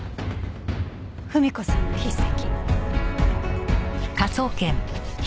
ふみ子さんの筆跡。